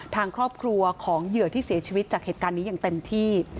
ทางครอบครัวของเหยื่อที่เสียชีวิตจากเหตุการณ์นี้อย่างเต็มที่